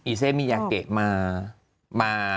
เซมียาเกะมา